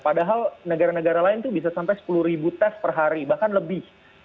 padahal negara negara lain itu bisa sampai sepuluh tes per hari bahkan lebih